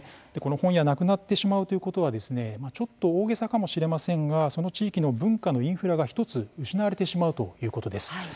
本屋、なくなってしまうということはちょっと大げさかもしれませんがその地域の文化のインフラが１つ失われてしまうということです。